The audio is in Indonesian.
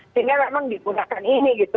sehingga memang digunakan ini gitu